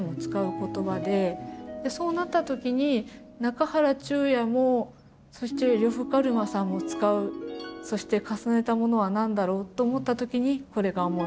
そうなった時に中原中也もそして呂布カルマさんも使うそして重ねたものは何だろうと思った時にこれが思い浮かびました。